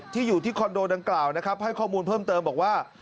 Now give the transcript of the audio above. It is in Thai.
อยู่ที่คอนโดดังกล่าวนะครับให้ข้อมูลเพิ่มเติมบอกว่า